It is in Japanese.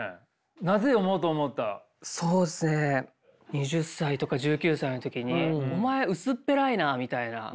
２０歳とか１９歳の時に「お前薄っぺらいな」みたいな。